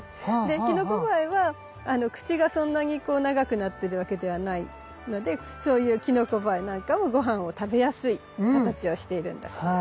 キノコバエは口がそんなに長くなってるわけではないのでそういうキノコバエなんかもごはんを食べやすい形をしているんだそうです。